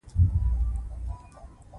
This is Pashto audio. د هغې ژوند کې یوازې یوه پېژندل شوې مینه وه.